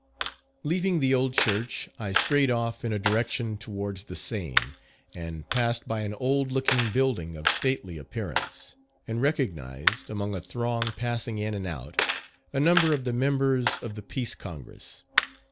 Leaving the old church I strayed off in a direction towards the Seine, and passed by an old looking building of stately appearance, and recognised, among a throng passing in and out, a number of the members of the Peace Congress.